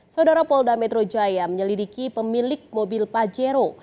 saudara polda metro jaya menyelidiki pemilik mobil pajero